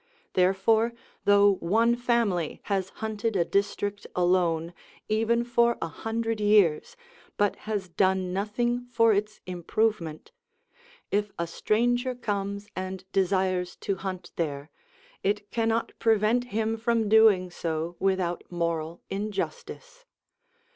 Therefore, though one family has hunted a district alone, even for a hundred years, but has done nothing for its improvement; if a stranger comes and desires to hunt there, it cannot prevent him from doing so without moral injustice.